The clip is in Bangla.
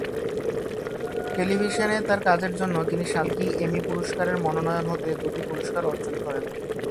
টেলিভিশনে তার কাজের জন্য তিনি সাতটি এমি পুরস্কারের মনোনয়ন হতে দুইটি পুরস্কার অর্জন করেন।